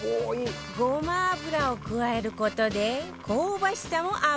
ごま油を加える事で香ばしさもアップするんだって